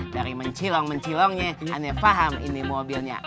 dari mencilong mencilongnya anda paham ini mobilnya